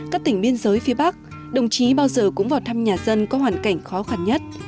các tỉnh biên giới phía bắc đồng chí bao giờ cũng vào thăm nhà dân có hoàn cảnh khó khăn nhất